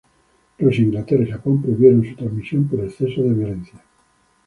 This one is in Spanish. Rusia, Inglaterra y Japón prohibieron su trasmisión por exceso de violencia.